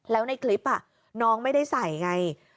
แล้วในคลิปน้องไม่ได้ใส่ไง